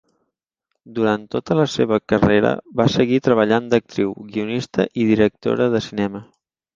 Durant tota la seva carrera va seguir treballant d'actriu, guionista i directora de cinema.